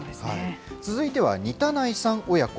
続いては似内さん親子。